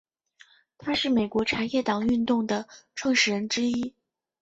他是美国茶叶党运动的创始人之一。